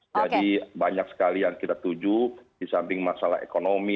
jadi banyak sekali yang kita tuju di samping masalah ekonomi